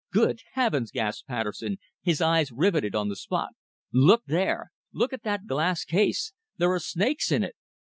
"Good heavens!" gasped Patterson, his eyes riveted on the spot. "Look there! Look at that glass case! There are snakes in it!"